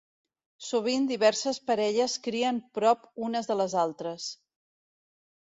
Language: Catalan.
Sovint diverses parelles crien prop unes de les altres.